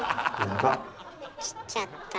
切っちゃった。